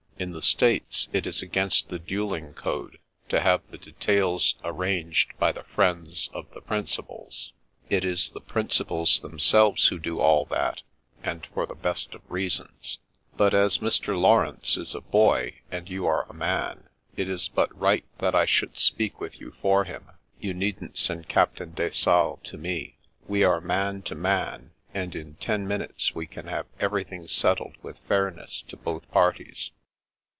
In the States, it is against the duelling code to have the details arranged by the friends of the principals. It is the principals themselves who do all that, and for the best of reasons. But as Mr. Laurence is a boy, and yoii are a man, it is but right that I should speak with you for him. You needn't send Cap tain de Sales to me. We are man to man, and in ten minutes we can have everything settled with fairness to both parties."